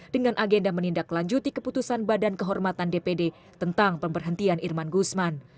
dengan agenda menindaklanjuti keputusan badan kehormatan dpd tentang pemberhentian irman gusman